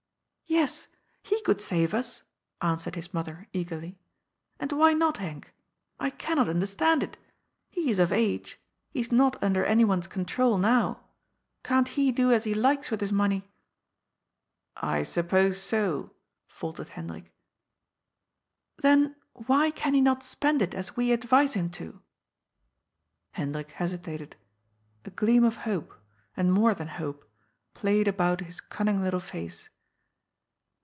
" Yes, he could save us," answered his mother eagerly, '^ and why not, Henk ? I cannot understand it. He is of age. He is not under anyone's control now. Can't he do as he likes with his money ?" I suppose so," faltered Hendrik. " Then why can he not spend it as we advise him to? Hendrik hesitated. A gleam of hope, and more than hope, played about his cunning little face.